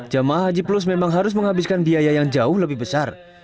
jemaah haji plus memang harus menghabiskan biaya yang jauh lebih besar